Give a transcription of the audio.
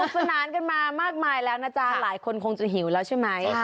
สนานกันมามากมายแล้วนะจ๊ะหลายคนคงจะหิวแล้วใช่ไหม